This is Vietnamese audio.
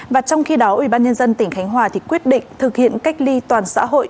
và trong khi đó ubnd tỉnh khánh hòa thì quyết định thực hiện cách ly toàn xã hội